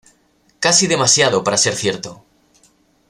Casi demasiado para ser cierto.